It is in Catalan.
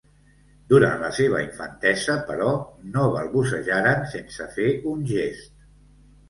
Durant la seva infantesa, però, no balbucejaran sense fer un gest.